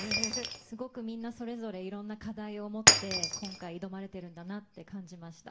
すごくみんな、それぞれいろんな課題を持って、今回挑まれてるんだなって感じました。